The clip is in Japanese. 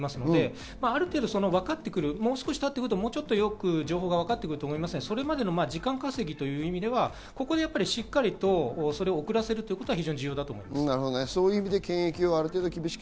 ある程度分かってくる、もう少したってくるとよく情報がわかってくると思うので、これまでの時間稼ぎという意味ではここでしっかりとそれを遅らせるということは重要だと思います。